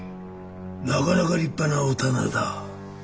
なかなか立派なお店だ。